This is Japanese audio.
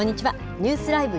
ニュースＬＩＶＥ！